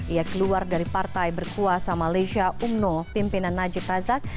ia keluar dari partai berkuasa malaysia umno pimpinan najib razak